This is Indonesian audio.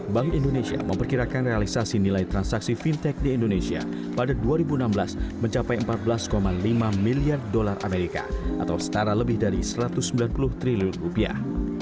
bank indonesia memperkirakan realisasi nilai transaksi fintech di indonesia pada dua ribu enam belas mencapai empat belas lima miliar dolar amerika atau setara lebih dari satu ratus sembilan puluh triliun rupiah